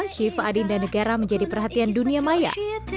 syifa adinda negara menjadi perhatian dunia maya